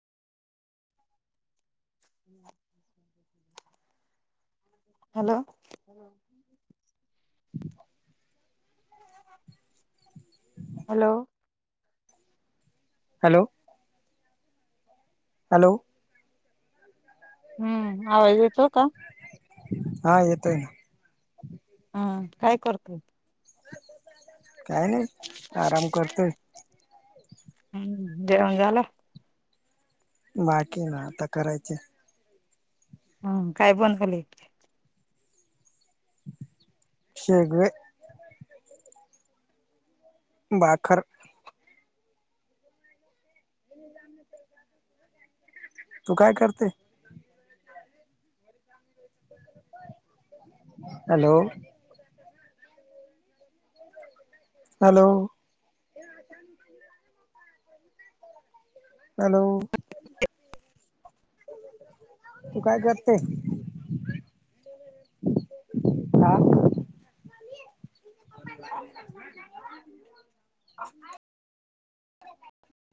Hello- hello. Hello- hello. हुं. आवाज येतोय का? हा येतोय. हा, काय करतोय? काय नाय आराम करतोय. हुं, जेवन झालं? बाकी ना आता करायचय. हुं काय पण खाली [unintelligible] शेगवे भाकर हेणी जा म्हटलंय जा तू काय करते? हॅलो हॅलो हॅलो, तू काय करते? आ